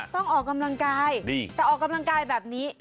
ต้องออกกำลังกายแต่ออกกำลังกายแบบนี้